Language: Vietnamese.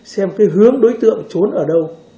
xem hướng đối tượng trốn ở đâu